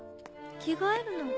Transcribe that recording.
着替えるの？